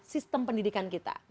sistem pendidikan kita